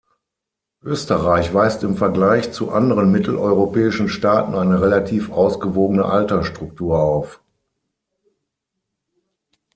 Österreich weist im Vergleich zu anderen mitteleuropäischen Staaten eine relativ ausgewogene Altersstruktur auf.